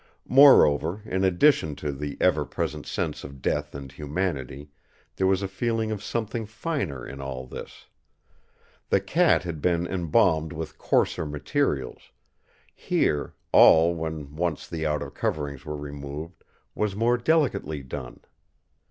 Moreover, in addition to the ever present sense of death and humanity, there was a feeling of something finer in all this. The cat had been embalmed with coarser materials; here, all, when once the outer coverings were removed, was more delicately done.